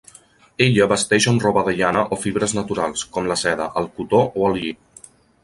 Ella vesteix amb roba de llana o fibres naturals, com la seda, el cotó o el lli.